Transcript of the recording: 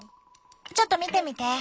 ちょっと見てみて。